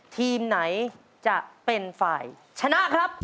ทีมไหนจะเป็นฝ่ายชนะครับ